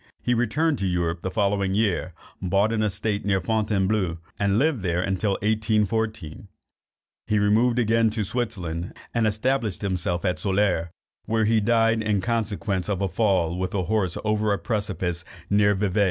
He returned to Europe the following year, bought an estate near Fontainebleau, and lived there till 1814. He removed again to Switzerland, and established himself at Soleure, where he died, in consequence of a fall with his horse over a precipice near Vevay.